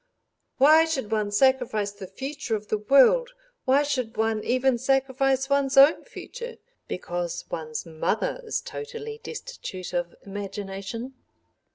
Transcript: "Why should one sacrifice the future of the world—why should one even sacrifice one's own future—because one's mother is totally destitute of imagination?"